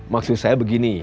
maksud saya begini